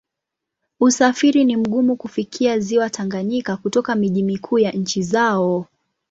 Usafiri ni mgumu kufikia Ziwa Tanganyika kutoka miji mikuu ya nchi zao.